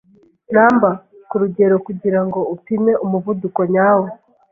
numberKurugero kugirango upime umuvuduko nyawo